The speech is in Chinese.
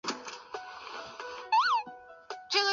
这是该国首次获得女子冰球项目的奥运资格。